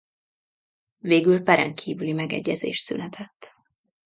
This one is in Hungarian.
Végül peren kívüli megegyezés született.